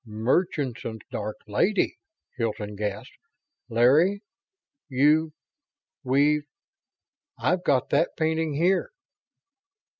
"Murchison's Dark Lady!" Hilton gasped. "Larry! You've we've I've got that painting here?"